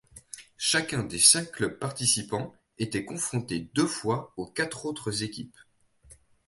Chacun des cinq clubs participant était confronté deux fois aux quatre autres équipes.